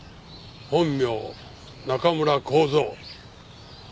本名中村幸三。